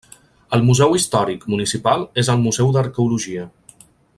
El Museu Històric Municipal és el museu d'arqueologia.